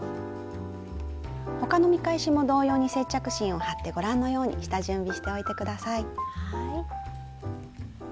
他の見返しも同様に接着芯を貼ってご覧のように下準備しておいて下さい。